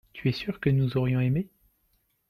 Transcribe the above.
tu es sûr que nous aurions aimé.